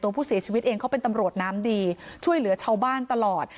ผู้เสียชีวิตเองเขาเป็นตำรวจน้ำดีช่วยเหลือชาวบ้านตลอด